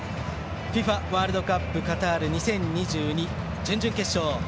ＦＩＦＡワールドカップカタール２０２２準々決勝